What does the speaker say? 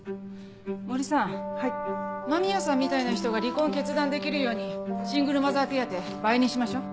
森さん間宮さんみたいな人が離婚を決断できるようにシングルマザー手当倍にしましょう。